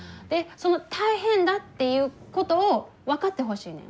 その大変だっていうことを分かってほしいねん。